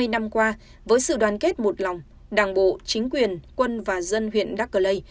năm mươi năm qua với sự đoàn kết một lòng đảng bộ chính quyền quân và dân huyện đắc lê